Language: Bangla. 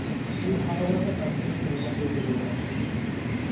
এই ভালবাসা তার প্রিয়কে রূপান্তরিত করে ফেলে।